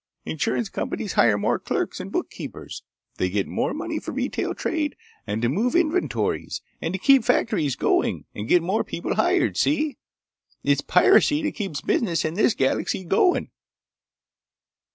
Insurance companies hire more clerks and bookkeepers. They get more money for retail trade and to move inventories and keep factories going and get more people hired.... Y'see? It's piracy that keeps business in this galaxy goin'!"